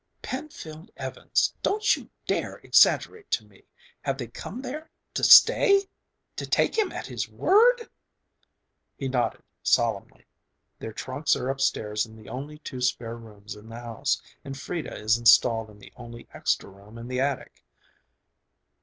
"Penfield Evans. Don't you dare exaggerate to me! Have they come there to stay! To take him at his word!" He nodded solemnly. "Their trunks are upstairs in the only two spare rooms in the house, and Frieda is installed in the only extra room in the attic.